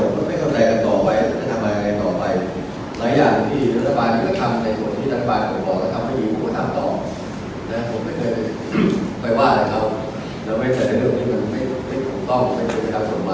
แต่เรื่องนี้มันไม่ต้องเป็นคุณภาพสมบัติแต่เรื่องของคนใจผมมันทำได้มากหรือเปลือกับผม